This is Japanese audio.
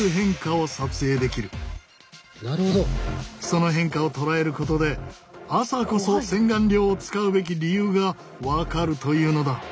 その変化をとらえることで朝こそ洗顔料を使うべき理由が分かるというのだ。